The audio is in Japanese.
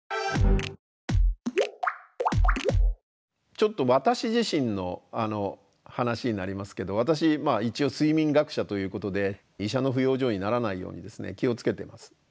ちょっと私自身の話になりますけど私一応睡眠学者ということで医者の不養生にならないようにですね気を付けてます。